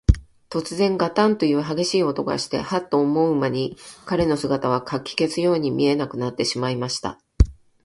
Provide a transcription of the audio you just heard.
とつぜん、ガタンというはげしい音がして、ハッと思うまに、彼の姿は、かき消すように見えなくなってしまいました。